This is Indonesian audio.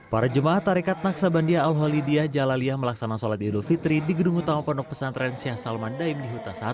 para jemaah tarekat naksabandia al holidiyah jalaliyah melaksanakan sholat idul fitri di gedung utama pondok pesantren syah salman daim di huta satu